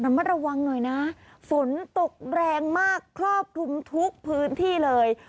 มาระวังหน่อยนะฝนตกแรงมากครอบคลุมทุกพื้นที่เลย